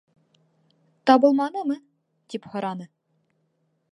— Табылманымы? — тип һораны.